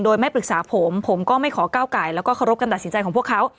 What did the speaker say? โดยไม่ปรึกษาผมผมก็ไม่ขอก้าวไก่แล้วก็เคารพการตัดสินใจของพวกเขา